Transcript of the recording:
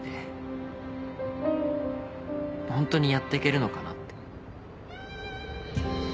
ホントにやってけるのかなって。